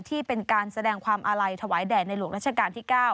ที่เป็นการแสดงความอาลัยถวายแด่ในหลวงรัชกาลที่๙